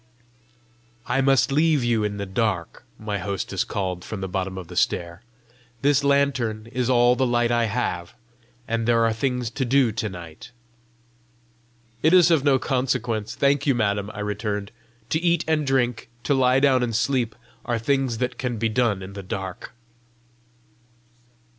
"I must leave you in the dark," my hostess called from the bottom of the stair. "This lantern is all the light I have, and there are things to do to night." "It is of no consequence, thank you, madam," I returned. "To eat and drink, to lie down and sleep, are things that can be done in the dark."